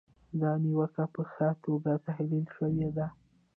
دا نیوکه په ښه توګه تحلیل شوې ده.